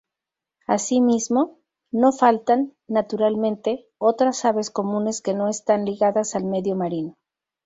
Asimismo, no faltan, naturalmente, otras aves comunes que no están ligadas al medio marino.